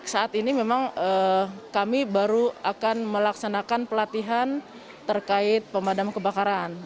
saat ini memang kami baru akan melaksanakan pelatihan terkait pemadam kebakaran